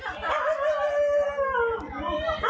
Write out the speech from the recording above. นักจิตเจ็บหรือนักจิต